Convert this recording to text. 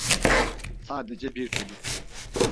Sadece bir çocuk.